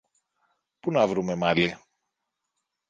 Πού να βρούμε μαλλί;